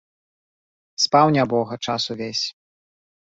Спаў, нябога, час увесь.